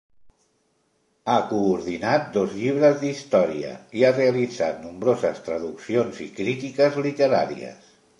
Ha coordinat dos llibres d'història i ha realitzat nombroses traduccions i crítiques literàries.